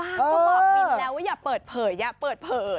บ้างก็บอกวินแล้วว่าอย่าเปิดเผยอย่าเปิดเผย